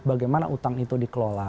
bagaimana utang itu dikeluarkan